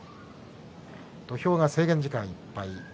土俵が制限時間いっぱいです。